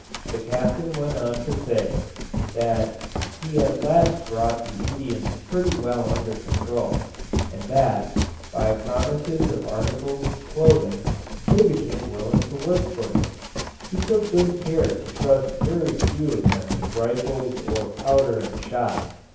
The Captain went on to say, that he at last brought the Indians pretty well under control; and that, by promises of articles of clothing, they became willing to work for him. He took good care to trust very few of them with rifles or powder and shot.